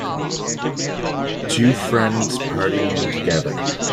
Two friends partying together.